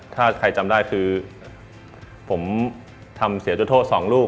ถ้าใครจำได้คือผมทำเสียจุดโทษ๒ลูก